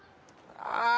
ああ！